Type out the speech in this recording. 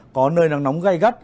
có nơi nắng nóng gai gắt